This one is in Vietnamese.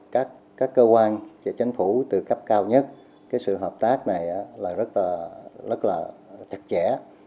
các cơ quan chính phủ từ cấp cao nhất cái sự hợp tác này là rất là chặt chẽ